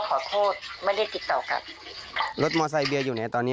ใครว่ามอไซเบียอยู่ดอนเมือง